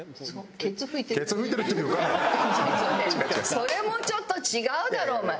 それもちょっと違うだろお前。